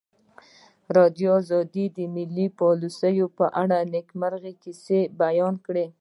ازادي راډیو د مالي پالیسي په اړه د نېکمرغۍ کیسې بیان کړې.